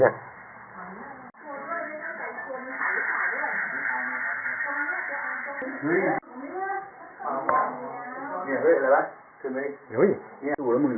ยายยยย